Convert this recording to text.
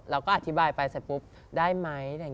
เราก็อธิบายไปเสร็จปุ๊บได้ไหม